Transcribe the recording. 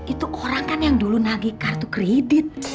itu orang kan yang dulu nagi kartu kredit